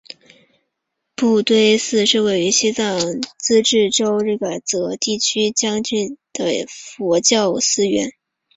布堆寺是位于西藏自治区日喀则地区江孜县卡堆乡凯扬村的一座藏传佛教寺院。